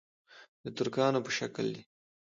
د ترکانو په شکل دي.